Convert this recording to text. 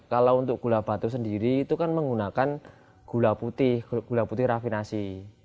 kalau untuk gula batu sendiri itu kan menggunakan gula putih gula putih rafinasi